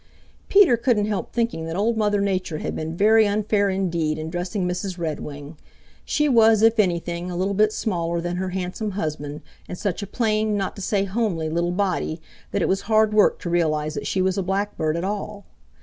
Peter couldn't help thinking that Old Mother Nature had been very unfair indeed in dressing Mrs. Redwing. She was, if anything, a little bit smaller than her handsome husband, and such a plain, not to say homely, little body that it was hard work to realize that she was a Blackbird at all.